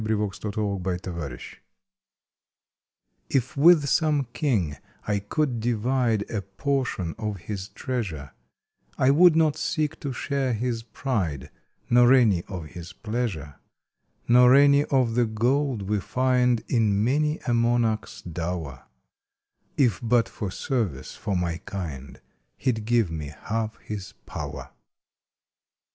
August Twenty fifth A DIVISION TF with some king I could divide A portion of his treasure, I would not seek to share his pride, Nor any of his pleasure, Nor any of the gold we find In many a monarch s dower, If but for Service for my Kind He d give me half his power.